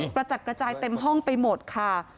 กระจัดกระจายเต็มห้องไปหมดค่ะ